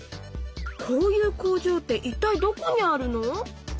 こういう工場って一体どこにあるの？